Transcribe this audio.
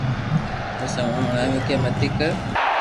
پسي اوني ھڻاويو ڪي متي ڪر